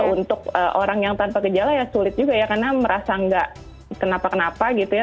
untuk orang yang tanpa gejala ya sulit juga ya karena merasa nggak kenapa kenapa gitu ya